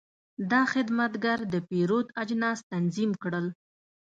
دا خدمتګر د پیرود اجناس تنظیم کړل.